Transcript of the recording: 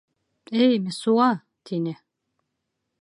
Эй, Мессуа! — тине.